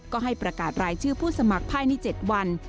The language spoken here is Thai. ก็ให้ประกาศรายชื่อผู้สมัครภายใน๗วัน